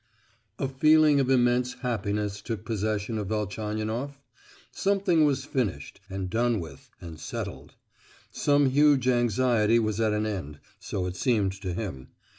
A feeling of immense happiness took possession of Velchaninoff; something was finished, and done with, and settled. Some huge anxiety was at an end, so it seemed to him.